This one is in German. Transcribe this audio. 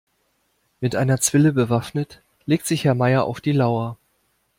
Mit einer Zwille bewaffnet legt sich Herr Meier auf die Lauer.